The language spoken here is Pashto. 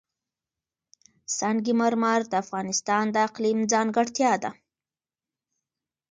سنگ مرمر د افغانستان د اقلیم ځانګړتیا ده.